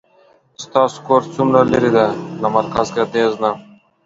ستاسو کور څومره لری ده له مرکز ګردیز نه